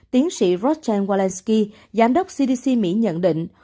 tiến sĩ roger walensky giám đốc cdc mỹ nhận định